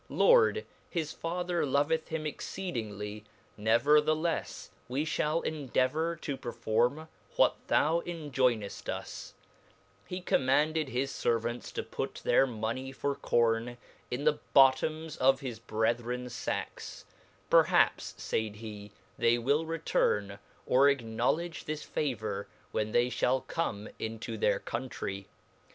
Lord, his father loveth him exceedingly, neverthelefs we fhail endeavour to perform what thou enjoyneft us • he commanded his fervancs to put their money for corne in the bottoms of his brechrens facks, per haps, faid he, they will return, or acknowledge this favour when they fhall come into their Country.